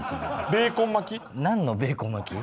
ベーコン巻き？何のベーコン巻き？